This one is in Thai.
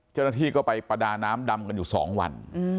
จนนาทีก็ไปประดาน้ำดำกันอยู่สองวัน